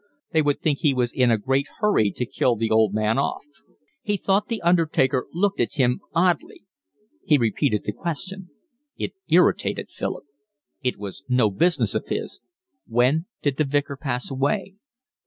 They would think he was in a great hurry to kill the old man off. He thought the undertaker looked at him oddly. He repeated the question. It irritated Philip. It was no business of his. "When did the Vicar pass away?"